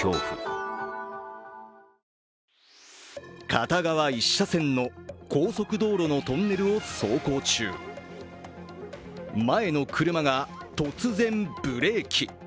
片側１車線の高速道路のトンネルを走行中、前の車が突然ブレーキ。